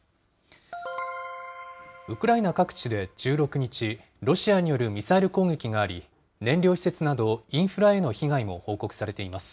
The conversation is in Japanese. ウクライナ各地で１６日、ロシアによるミサイル攻撃があり、燃料施設などインフラへの被害も報告されています。